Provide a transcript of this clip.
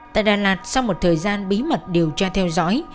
tại đà lạt sau một thời gian bí mật điều tra theo dõi